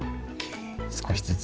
少しずつ。